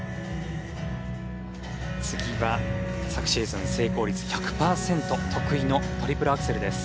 次は昨シーズン成功率１００パーセント得意のトリプルアクセルです。